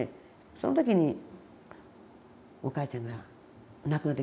その時にお母ちゃんが亡くなっていくわけです。